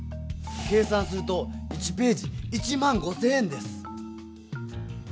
計算すると１ページ１５０００円です。